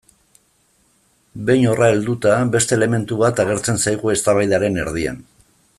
Behin horra helduta, beste elementu bat agertzen zaigu eztabaidaren erdian.